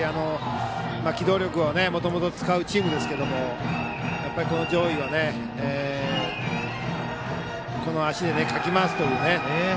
機動力をもともと使うチームですけどこの上位は足でかき回すというね。